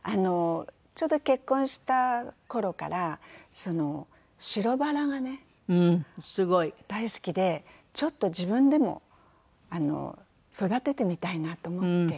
ちょうど結婚した頃から白バラがね大好きでちょっと自分でも育ててみたいなと思って。